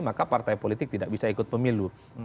maka partai politik tidak bisa ikut pemilu